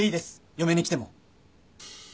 嫁に来ても。